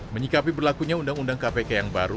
menyikapi berlakunya undang undang kpk yang baru